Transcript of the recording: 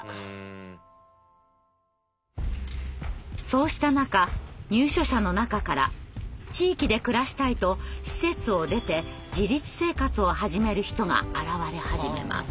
そうした中入所者の中から地域で暮らしたいと施設を出て自立生活を始める人が現れ始めます。